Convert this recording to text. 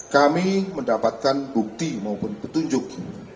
kami mendapatkan bukti maupun petunjuk